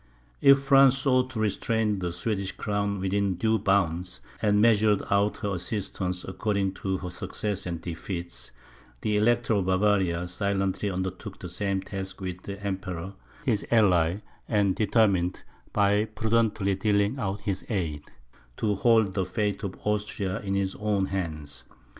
If France sought to restrain the Swedish crown within due bounds, and measured out her assistance according to her successes and defeats, the Elector of Bavaria silently undertook the same task with the Emperor his ally, and determined, by prudently dealing out his aid, to hold the fate of Austria in his own hands.